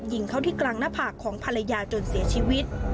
ยิงเข้าที่กลางหน้าผากของภรรยาจนเสียชีวิต